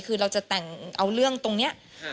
คือเราจะแต่งเอาเรื่องตรงนี้